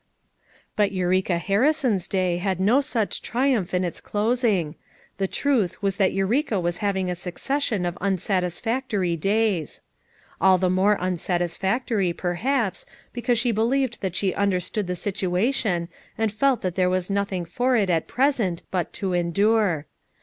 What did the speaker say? But Eureka Harrison's day had no such triumph in its closing. The truth was that Eureka was having a succession of unsatisfac tory days. All the more unsatisfactory, per haps, because she believed that she under stood the situation and felt that there was nothing for it at present but to endure.